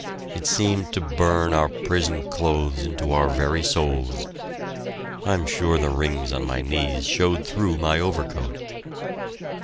It seemed to burn our prison clothes into our very souls. I'm sure the rings on my knees showed through my overcoat!